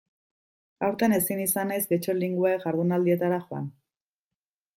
Aurten ezin izan naiz Getxo Linguae jardunaldietara joan.